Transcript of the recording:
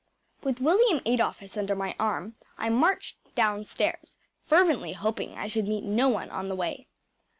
With William Adolphus under my arm I marched downstairs, fervently hoping I should meet no one on the way.